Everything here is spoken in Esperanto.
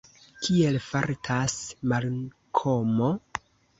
Kiel fartas Malkomo?